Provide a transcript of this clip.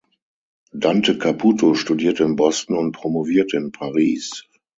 Dante Caputo studierte in Boston und promovierte in Paris.